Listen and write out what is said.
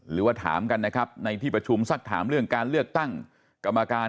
หรือว่าถามกันนะครับในที่ประชุมสักถามเรื่องการเลือกตั้งกรรมการ